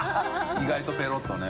意外とペロッとね。